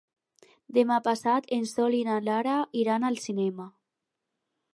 Demà passat en Sol i na Lara iran al cinema.